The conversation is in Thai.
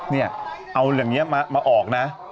เนี่ยเอาอย่างนี้มาออกนะ